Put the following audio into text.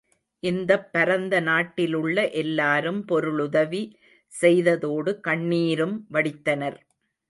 இந்தப் பரந்த நாட்டிலுள்ள எல்லாரும் பொருளுதவி செய்ததோடு கண்ணீரும் வடித்தனர்.